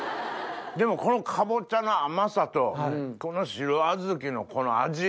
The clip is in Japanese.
でもこのかぼちゃの甘さとこの白小豆のこの味。